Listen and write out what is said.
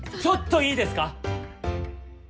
ちょっといいですか？